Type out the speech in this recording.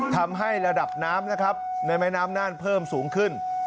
ทำให้ระดับน้ำนะครับในแม่น้ำน่านเพิ่มสูงขึ้น